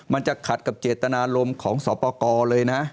มันจะขัดกับเจตนารมณ์ของสอปกรเลยนะ